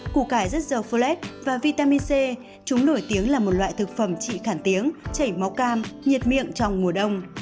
củ cải rất dầu phu lết và vitamin c chúng nổi tiếng là một loại thực phẩm trị khản tiếng chảy máu cam nhiệt miệng trong mùa đông